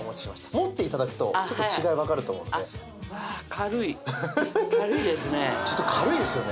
持っていただくとちょっと違い分かると思うんで軽いですねちょっと軽いですよね